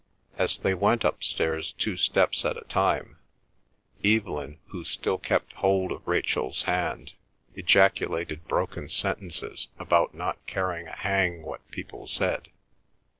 As they went upstairs two steps at a time, Evelyn, who still kept hold of Rachel's hand, ejaculated broken sentences about not caring a hang what people said.